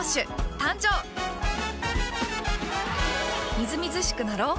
みずみずしくなろう。